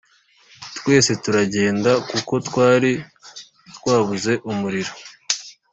twese turagenda kuko twari twabuze umuriro.